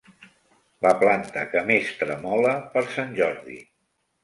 La planta que més tremola per sant Jordi.